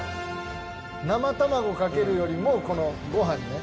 生卵かけるよりもこのご飯にね。